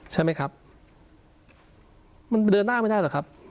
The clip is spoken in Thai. ใช่ไหมครับมันเดินหน้าไม่ได้หรอกครับ